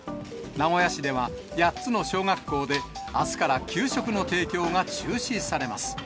名古屋市では、８つの小学校で、あすから給食の提供が中止されます。